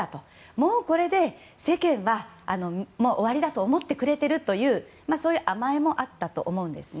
もうこれで世間は終わりだと思ってくれてるというそういう甘えもあったと思うんですね。